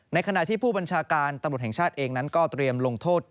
ขณะที่ผู้บัญชาการตำรวจแห่งชาติเองนั้นก็เตรียมลงโทษ